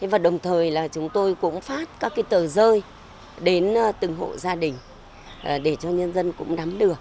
và đồng thời là chúng tôi cũng phát các tờ rơi đến từng hộ gia đình để cho nhân dân cũng đắm được